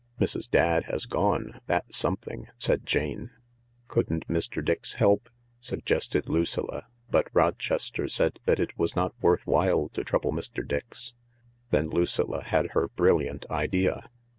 " Mrs. Dadd has gone, that's something," said Jane. "Couldn't Mr. Dix help?" suggested Lucilla, but Rochester said that it was not worth while to trouble Mr. Dix. Then Lucilla had her brilliant idea.